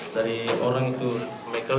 dari orang itu michael